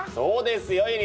そうですよ